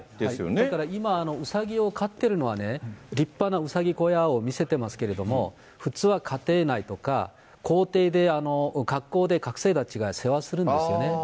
だから今、うさぎを飼ってるのはね、立派なうさぎ小屋を見せてますけれども、普通は家庭内とか、校庭で、学校で学生たちが世話するんですよね。